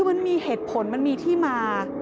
คือมันมีเหตุผลมันมีที่มา